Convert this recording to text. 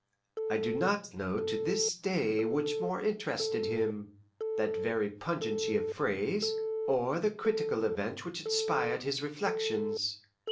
I do not know to this day which more interested him that very pungency of phrase, or the critical events which inspired his reflections.